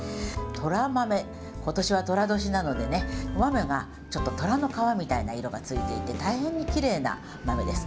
とら豆、ことしはとら年なのでね、お豆がちょっと、とらの皮みたいな色がついていて、大変にきれいな豆です。